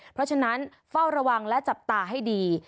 เพราะฉะนั้นเฝ้าระวังและจับตาให้ดี